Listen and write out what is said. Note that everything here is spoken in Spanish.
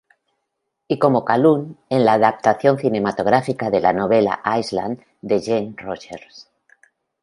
Y como Calum, en la adaptación cinematográfica de la novela "Island", de Jane Rogers.